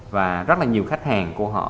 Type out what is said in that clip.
và rất là nhiều khách hàng của họ